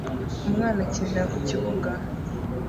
Umwana akinira ku kibuga